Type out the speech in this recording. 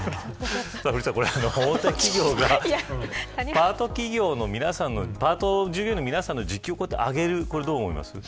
大手企業がパート従業員の皆さんの時給を上げるのはどう思いますか。